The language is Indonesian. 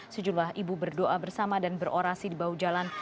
sejumlah ibu berdoa bersama dan berorasi di bawah jalan